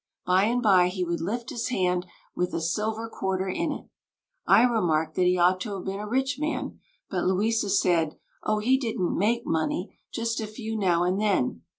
By and by he would lift his hand with a silver quarter in it." I remarked that he ought to have been a rich man; but Louisa said, "Oh, he didn't make many, just a few now and then.